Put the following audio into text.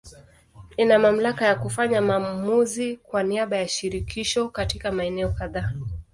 Ina mamlaka ya kufanya maamuzi kwa niaba ya Shirikisho katika maeneo kadhaa.